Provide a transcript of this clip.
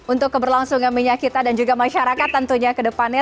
untuk keberlangsungan minyak kita dan juga masyarakat tentunya ke depannya